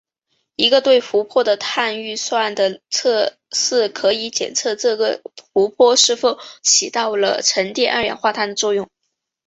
一个对湖泊的碳预算的测试可以检测这个湖泊是否起到了沉淀二氧化碳的作用。